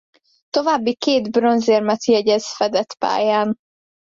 További két bronzérmet jegyez fedett pályán.